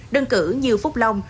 đơn cử như phúc long